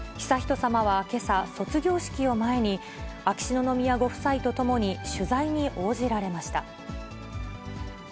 悠仁さまはけさ、卒業式を前に、秋篠宮ご夫妻とともに取材に応じられました。